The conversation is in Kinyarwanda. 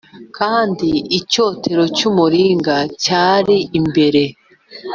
Kandi icyotero cy umuringa cyari imbere